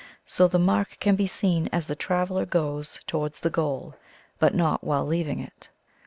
So the mark can be seen as the traveler goes towards the goal, but not while leaving it.